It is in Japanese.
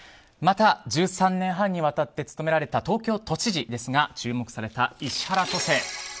また、１３年半にわたって務められた東京都知事ですが注目された石原都政